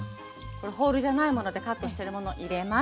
ホールじゃないものでカットしてるもの入れます。